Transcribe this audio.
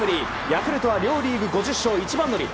ヤクルトは両リーグ５０勝一番乗り。